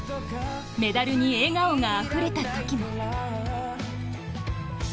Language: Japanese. メダルに笑顔があふれたときも。